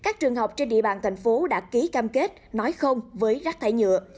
các trường học trên địa bàn thành phố đã ký cam kết nói không với rác thải nhựa